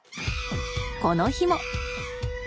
この日も。